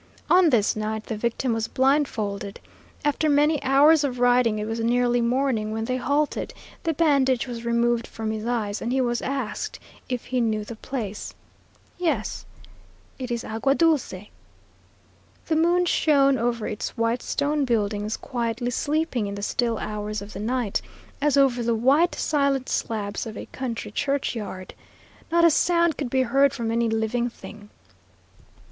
On this night the victim was blindfolded. After many hours of riding it was nearly morning when they halted the bandage was removed from his eyes, and he was asked if he knew the place. "Yes, it is Agua Dulce." The moon shone over its white stone buildings, quietly sleeping in the still hours of the night, as over the white, silent slabs of a country churchyard. Not a sound could be heard from any living thing.